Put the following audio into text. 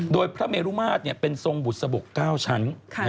โดยพระเมรุมาตรเป็นทรงบุษบก๙ชั้น